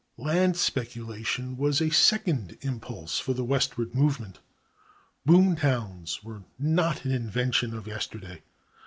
Land speculation was a second impulse for the westward movement. Boom towns were not an invention of yesterday.